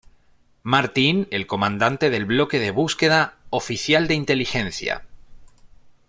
Martín, el comandante del Bloque de Búsqueda; oficial de inteligencia.